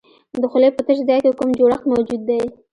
د خولې په تش ځای کې کوم جوړښت موجود دی؟